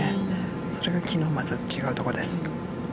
それが昨日までと違うところです。